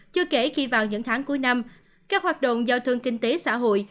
chưa kể khi vào những tháng cuối năm các hoạt động giao thương kinh tế xã hội